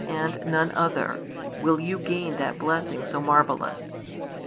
and none other, will you gain that blessing so marvellous.